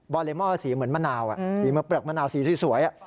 อเลมอลสีเหมือนมะนาวสีเหมือนเปลือกมะนาวสีสวย